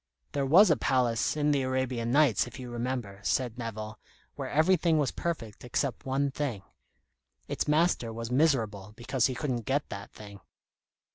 '" "There was a palace in the 'Arabian Nights,' if you remember," said Nevill, "where everything was perfect except one thing. Its master was miserable because he couldn't get that thing."